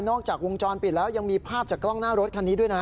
จากวงจรปิดแล้วยังมีภาพจากกล้องหน้ารถคันนี้ด้วยนะ